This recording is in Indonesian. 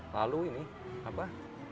lalu ini apa